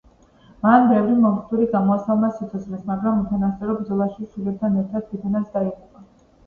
მან ბევრი მომხდური გამოასალმა სიცოცხლეს, მაგრამ უთანასწორო ბრძოლაში შვილებთან ერთად თვითონაც დაიღუპა.